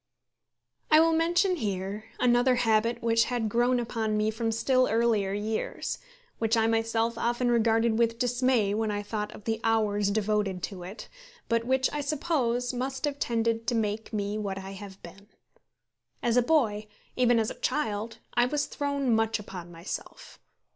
I will mention here another habit which had grown upon me from still earlier years, which I myself often regarded with dismay when I thought of the hours devoted to it, but which, I suppose, must have tended to make me what I have been. As a boy, even as a child, I was thrown much upon myself.